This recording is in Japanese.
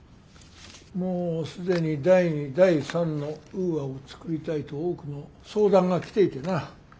「もう既に第２第３のウーアを作りたいと多くの相談が来ていてな。